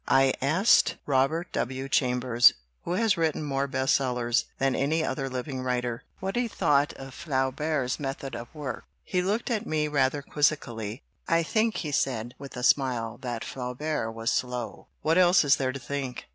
I asked Robert W. Chambers, who has written more "best sellers" than any other living writer, what he thought of Flaubert's method of work. He looked at me rather quizzically. "I think," he said, with a smile, "that Flaubert was slow. What else is there to think?